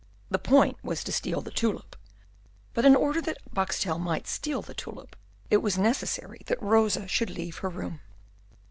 The point was to steal the tulip. But in order that Boxtel might steal the tulip, it was necessary that Rosa should leave her room.